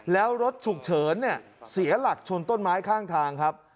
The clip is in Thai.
แล้วรถฉุกเฉินเนี่ยเสียหลักชนต้นไม้ข้างทางครับ